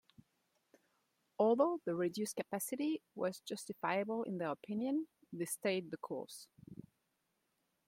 Although the reduced capacity was justifiable in their opinion, they stayed the course.